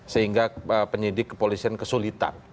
sehingga penyidik kepolisian kesulitan